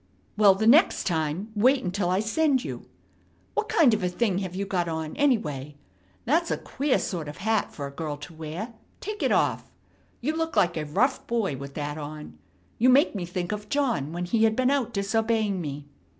"Well, the next time wait until I send you. What kind of a thing have you got on, anyway? That's a queer sort of a hat for a girl to wear. Take it off. You look like a rough boy with that on. You make me think of John when he had been out disobeying me."